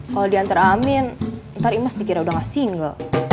kalau dihantar amin ntar imas dikira udah gak single